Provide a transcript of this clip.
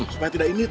supaya tidak init